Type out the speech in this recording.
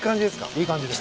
いい感じです。